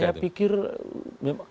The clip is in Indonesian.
saya pikir memang